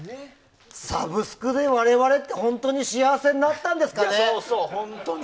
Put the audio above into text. サブスクで、我々って本当に幸せになったんですかね。